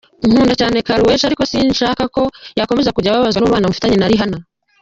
Nkunda cyane Karrueche ariko sinshaka ko yazakomeza kujya ababazwa n’umubano mfitanye na Rihanna.